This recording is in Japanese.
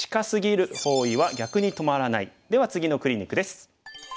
では次のクリニックです。